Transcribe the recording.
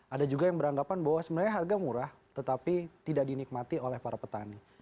ada juga yang beranggapan bahwa sebenarnya harga murah tetapi tidak dinikmati oleh para petani